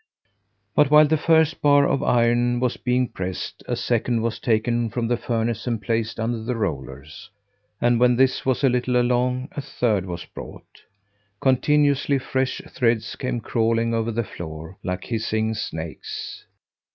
But while the first bar of iron was being pressed, a second was taken from the furnace and placed under the rollers, and when this was a little along, a third was brought. Continuously fresh threads came crawling over the floor, like hissing snakes.